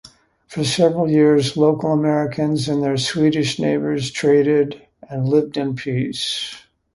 For several years, local Americans and their Swedish neighbors traded and lived in peace.